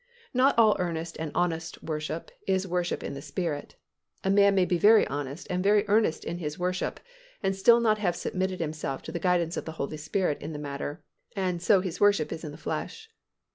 Not all earnest and honest worship is worship in the Spirit. A man may be very honest and very earnest in his worship and still not have submitted himself to the guidance of the Holy Spirit in the matter and so his worship is in the flesh.